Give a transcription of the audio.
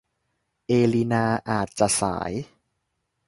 เอลินาอาจจะสาย